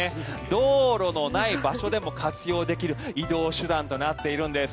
道路のない場所でも活用できる移動手段となっているんです。